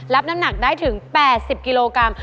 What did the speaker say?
รับน้ำหนักได้ถึง๘๐กิโลกรัม